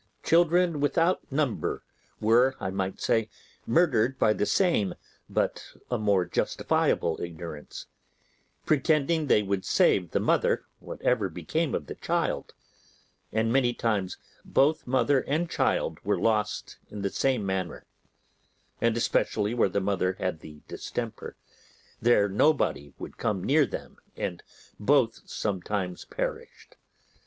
Children without number were, I might say, murdered by the same but a more justifiable ignorance: pretending they would save the mother, whatever became of the child; and many times both mother and child were lost in the same manner; and especially where the mother had the distemper, there nobody would come near them and both sometimes perished.